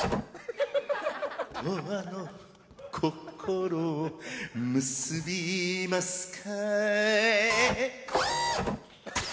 とわの心を結びますか。